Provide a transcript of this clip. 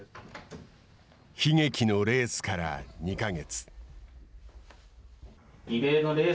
悲劇のレースから２か月。